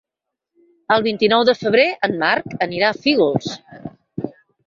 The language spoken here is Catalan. El vint-i-nou de febrer en Marc anirà a Fígols.